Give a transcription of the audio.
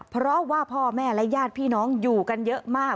เพราะว่าพ่อแม่และญาติพี่น้องอยู่กันเยอะมาก